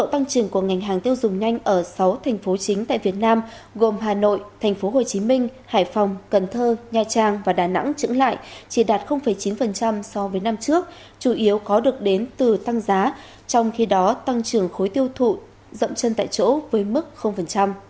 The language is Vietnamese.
tăng trưởng của ngành hàng tiêu dùng nhanh dựa trên nghiên cứu đo lường hiệu suất toàn cầu nielsen công bố ngày một mươi tám tháng chín vừa qua